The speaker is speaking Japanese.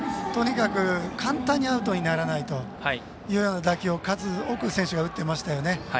とにかく簡単にアウトにならないという打球を数多くの選手が打っていましたよね。